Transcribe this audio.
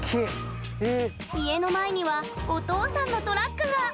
家の前にはお父さんのトラックが。